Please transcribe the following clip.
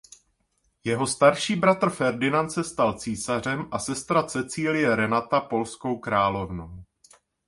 Jeho starší bratr Ferdinand se stal císařem a sestra Cecílie Renata polskou královnou.